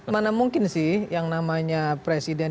mana mungkin sih yang namanya presiden